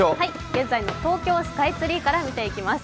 現在の東京スカイツリーから見ていきます。